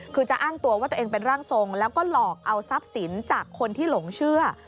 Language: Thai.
คือจะอ้างตัวว่าตัวเองเป็นร่างทรงแล้วก็หลอกเอาทรัพย์สินจากคนที่หลงเชื่อ